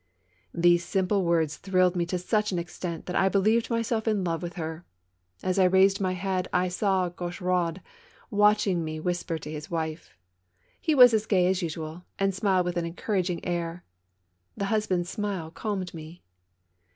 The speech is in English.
These simple words thrilled me to such an extent that I believed myself in love with her. As I raised my head, I saw Gaucheraud watching me whisper to his wife: he was as gay as usual and smiled with an encouraging air. The husband's smile calmed me.